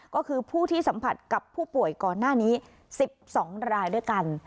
ก็คือผู้ที่สัมผัสกับผู้ป่วยก่อนหน้านี้๑๒รายด้วยกัน